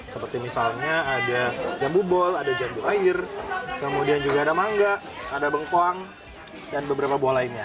seperti misalnya ada jambu bol ada jambu air kemudian juga ada mangga ada bengkoang dan beberapa buah lainnya